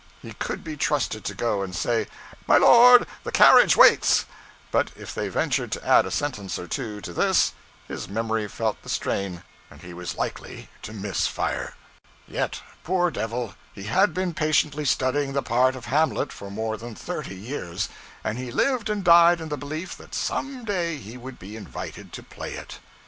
He could be trusted to go and say, 'My lord, the carriage waits,' but if they ventured to add a sentence or two to this, his memory felt the strain and he was likely to miss fire. Yet, poor devil, he had been patiently studying the part of Hamlet for more than thirty years, and he lived and died in the belief that some day he would be invited to play it!